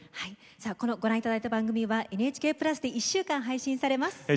ご覧いただいた番組はＮＨＫ＋で１週間配信されます。